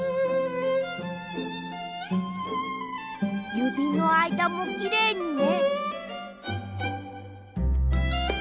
ゆびのあいだもきれいにね。